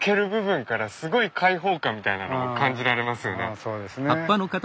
そうですね。